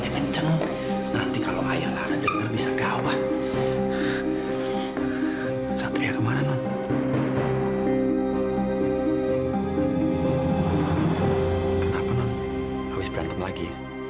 kenapa non habis berantem lagi